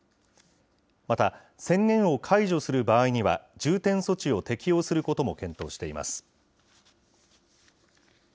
また、宣言を解除する場合には、重点措置を適用することも検討しています。